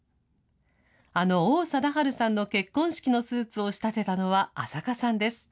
あの王貞治さんの結婚式のスーツを仕立てたのは安積さんです。